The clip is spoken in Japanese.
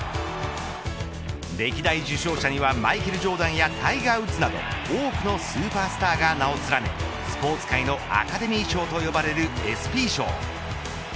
歴代受賞者にはマイケル・ジョーダンやタイガー・ウッズなど多くのスーパースターが名を連ねスポーツ界のアカデミー賞と呼ばれるＥＳＰＹ賞。